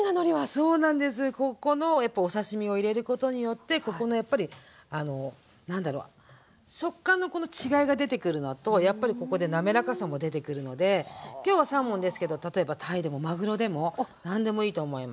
ここのやっぱお刺身を入れることによってここのやっぱり何だろう食感のこの違いが出てくるのとやっぱりここで滑らかさも出てくるのできょうはサーモンですけど例えばタイでもマグロでも何でもいいと思います。